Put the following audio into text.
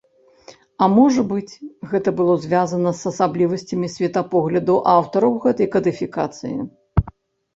А можа быць, гэта было звязана з асаблівасцямі светапогляду аўтараў гэтай кадыфікацыі.